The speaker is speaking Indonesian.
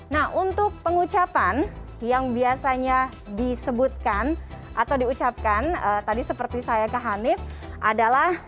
nah untuk pengucapan yang biasanya disebutkan atau diucapkan tadi seperti saya ke hanif adalah